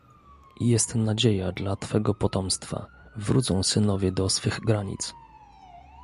Jest nadzieja dla twego potomstwa, wrócą synowie do swych granic"